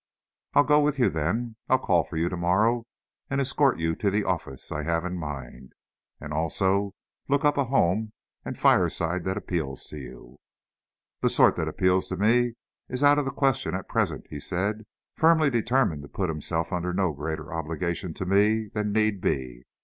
"I'll go with you then. I'll call for you tomorrow, and escort you to the office I have in mind, and also, look up a home and fireside that appeals to you." "The sort that appeals to me is out of the question at present," he said, firmly determined to put himself under no greater obligation to me than need be.